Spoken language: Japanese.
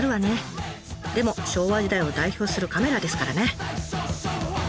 でも昭和時代を代表するカメラですからね。